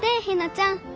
ひなちゃん。